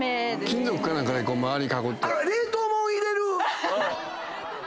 金属か何かで周り囲って。